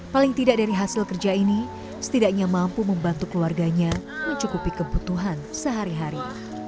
paling tidak dari hasil kerja ini setidaknya mampu membantu keluarganya mencukupi kebutuhan sehari hari